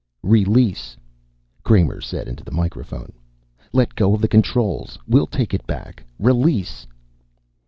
"Release!" Kramer said into the microphone. "Let go of the controls! We'll take it back. Release."